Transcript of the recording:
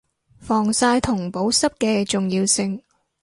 防曬同保濕嘅重要性